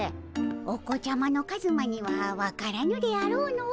お子ちゃまのカズマには分からぬであろうの。